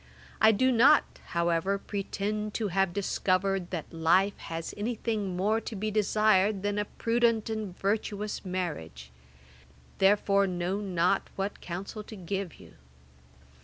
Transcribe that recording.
I do not, however, pretend to have discovered that life has any thing more to be desired than a prudent and virtuous marriage; therefore know not what counsel to give you.